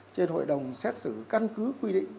trên hội đồng xét xử căn cứ quy định